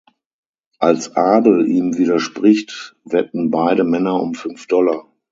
Als Abel ihm widerspricht wetten beide Männer um fünf Dollar.